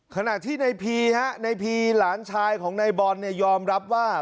ขณะที่ในพีธรรมหลานชายของในบอลยอมรับว่า